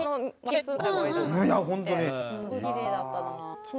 すごいきれいだったな。